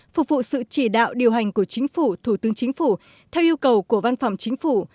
phục vụ sự chỉ đạo điều hành của chính phủ thủ tướng chính phủ theo yêu cầu của văn phòng chính phủ